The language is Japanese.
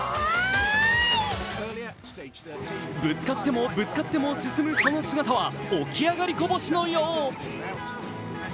ぶつかってもぶつかっても進むその姿は起き上がりこぼしのよう。